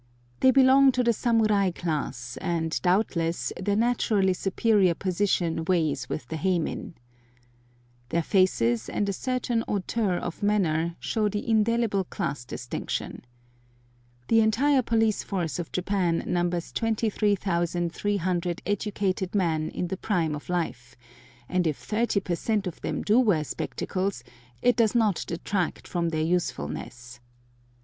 They belong to the samurai class, and, doubtless, their naturally superior position weighs with the heimin. Their faces and a certain hauteur of manner show the indelible class distinction. The entire police force of Japan numbers 23,300 educated men in the prime of life, and if 30 per cent of them do wear spectacles, it does not detract from their usefulness.